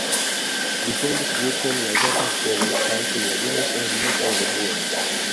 Li fondis grupon la „Verda Stelo“ kaj kunlaboris en diversaj revuoj.